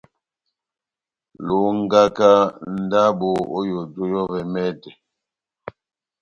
Longaka ndabo ό yoto yɔ́vɛ mɛtɛ.